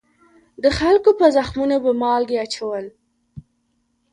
د خلکو په زخمونو به مالګې اچول.